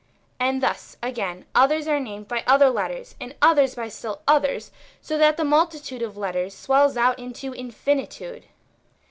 And thus, again, others are named by other letters, and others still by others, so that the multi tude of letters swells out into infinitude.